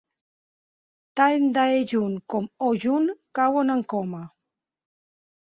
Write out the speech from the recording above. Tant Dae-jun com Ho-jun cauen en coma.